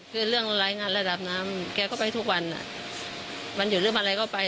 คือเรื่องรายงานระดับน้ำแกก็ไปทุกวันวันหยุดเรื่องอะไรก็ไป